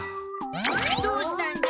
どうしたんじゃ？